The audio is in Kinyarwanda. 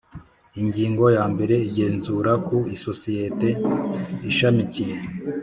Ingingo ya mbere Igenzura ku isosiyete ishamikiye